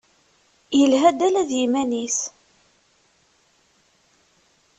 Yelha-d ala d yiman-is.